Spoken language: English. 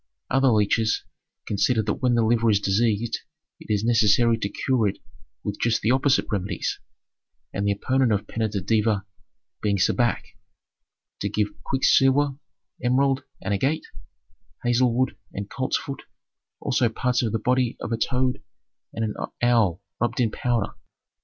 Other leeches consider that when the liver is diseased it is necessary to cure it with just the opposite remedies, and the opponent of Peneter Deva being Sebek, to give quicksilver, emerald, and agate, hazel wood and coltsfoot, also parts of the body of a toad and an owl rubbed into powder. Planet Mercury.